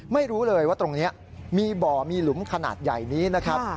ไม่รู้เลยว่าตรงนี้มีบ่อมีหลุมขนาดใหญ่นี้นะครับ